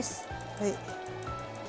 はい。